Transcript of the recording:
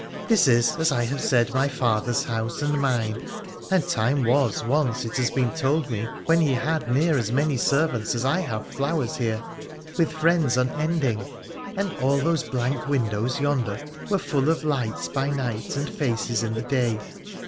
This is, as I have said, my father's house, and mine ; and time was, once, it has been told me, when he had near as many servants as I have flowers here, with friends unending ; and all those blank windows, yonder, were full of lights by night and faces in the day.